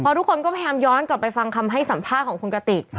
ทุกคนก็พยายามย้อนกลับไปฟังคำให้สัมภาษณ์ของคุณกติก